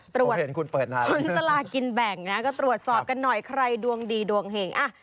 ตรวจคุณสลากินแบ่งนะก็ตรวจสอบกันหน่อยใครดวงดีดวงเห่ง